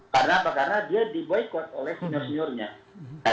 karena dia diboykot oleh senior seniornya